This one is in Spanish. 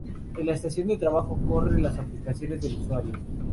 La Estación de trabajo corre las aplicaciones del usuario.